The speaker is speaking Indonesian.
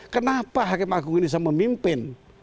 kenapa hakim agung ini bisa memimpin